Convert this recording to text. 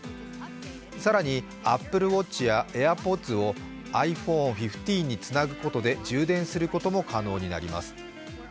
更にＡｐｐｌｅＷａｔｃｈやＡｉｒＰｏｄｓをｉＰｈｏｎｅ１５につなぐことで、充電することも可能になります。